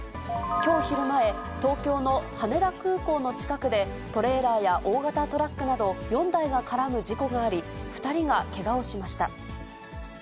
きょう昼前、東京の羽田空港の近くでトレーラーや大型トラックなど、４台が絡む事故があり、２人がけがをしました。